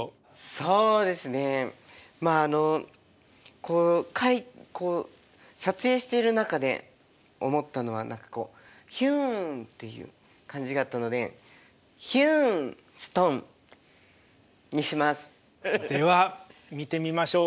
そうですねまあこうこう撮影している中で思ったのは何かヒュんっていう感じがあったのででは見てみましょう。